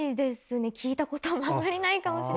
聞いたこともあんまりないかもしれない。